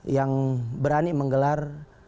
yang berani menggelar